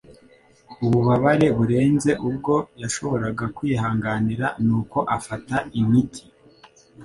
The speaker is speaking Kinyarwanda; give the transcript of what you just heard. Ububabare burenze ubwo yashoboraga kwihanganira, nuko afata imiti.